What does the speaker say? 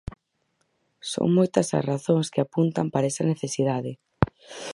Son moitas as razóns que apuntan para esa necesidade.